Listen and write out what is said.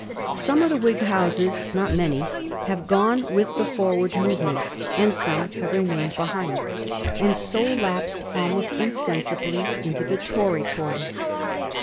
Some of the Whig houses, not many, have gone with the forward movement ; some have remained behind, and sa lapsed almost insensibly into the Tory quarter.